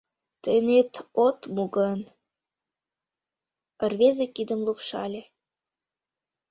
Тӧнет от му гын... — рвезе кидым лупшале.